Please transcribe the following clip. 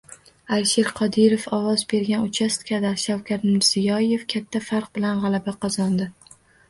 Alisher Qodirov ovoz bergan uchastkada Shavkat Mirziyoyev katta farq bilan g‘alaba qozondi